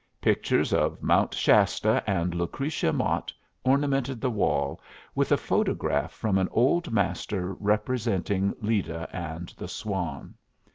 Pictures of Mount Shasta and Lucretia Mott ornamented the wall, with a photograph from an old master representing Leda and the Swan.